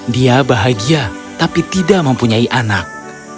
dia bahagia tapi tidak mempunyai anak